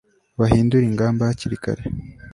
bahindure ingamba hakiri kare